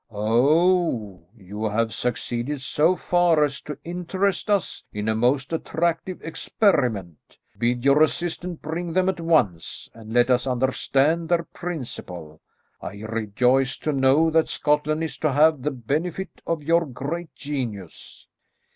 "Oh, you have succeeded so far as to interest us in a most attractive experiment. Bid your assistant bring them at once, and let us understand their principle. I rejoice to know that Scotland is to have the benefit of your great genius."